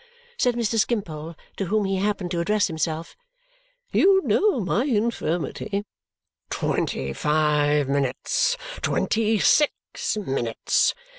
said Mr. Skimpole, to whom he happened to address himself. "You know my infirmity." "Twenty five minutes! Twenty six minutes!"